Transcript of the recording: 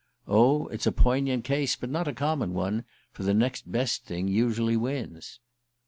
Oh, it's a poignant case, but not a common one; for the next best thing usually wins...